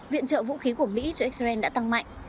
viện trợ vũ khí của mỹ cho israel đã tăng mạnh